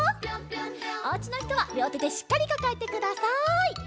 おうちのひとはりょうてでしっかりかかえてください。